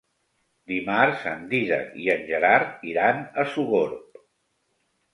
Dimarts en Dídac i en Gerard iran a Sogorb.